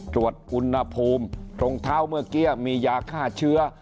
ตรวจอุณหภูมิรองเท้าเมื่อกี้มียาฆ่าเชื้อ